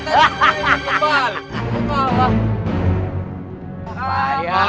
merasakan kamu parto hahahahah